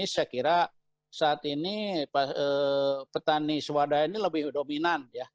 saya kira saat ini petani swadaya ini lebih dominan ya